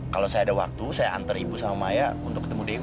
kalau saya ada waktu saya antar ibu sama maya untuk ketemu dia ibu